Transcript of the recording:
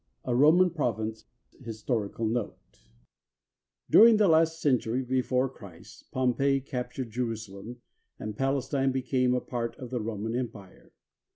II A ROMAN PROVINCE HISTORICAL NOTE During the last century before Christ, Pompey captured Jerusalem, and Palestine became a part of the Roman Empire.